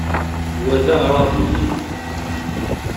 Wa d aɣerrabu-inu.